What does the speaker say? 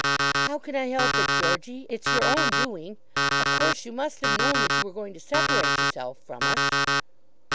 "How can I help it, Georgey? It's your own doing. Of course you must have known that you were going to separate yourself from us."